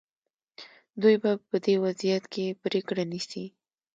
دوی به په دې وضعیت کې پرېکړه نیسي.